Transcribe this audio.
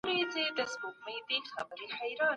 د سياسي ځواکونو موخي توپير لري.